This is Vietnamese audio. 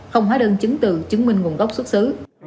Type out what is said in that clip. không hóa đơn chứng từ chứng minh nguồn gốc xuất xứ